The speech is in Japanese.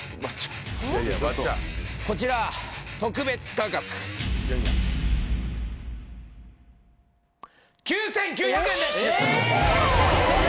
こちら特別価格９９００円です